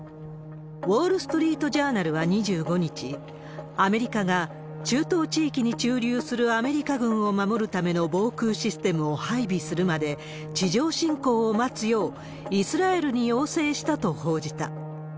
ウォール・ストリート・ジャーナルは２５日、アメリカが中東地域に駐留するアメリカ軍を守るための防空システムを配備するまで、地上侵攻を待つよう、イスラエルに要請したと報じた。